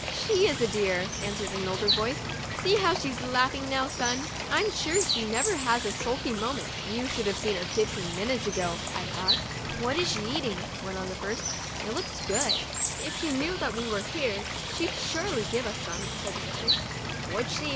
She is a dear !" answered an older voice ;" see how she's laughing, son! I'm sure she never has a sulky moment." * You should have seen her fifteen minutes ago," I thought. What is she eating?" went on the first; "it looks good." 37 THE DIARY OF A BIRTHDAY DOLL " If she knew that we were here, she'd surely give us some," said the second. "Would she?"